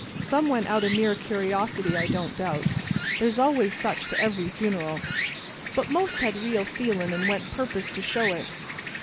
Some went out o' mere curiosity, I don't doubt, there's always such to every funeral; but most had real feelin', and went purpose to show it.